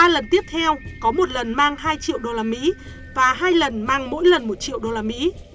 ba lần tiếp theo có một lần mang hai triệu usd và hai lần mang mỗi lần một triệu usd